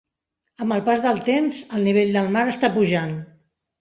Amb el pas de temps el nivell del mar està pujant.